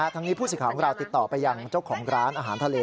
ทั้งนี้ผู้สิทธิ์ของเราติดต่อไปยังเจ้าของร้านอาหารทะเล